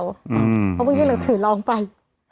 เขาก็เพิ่งเรียกหนังสือร้องไป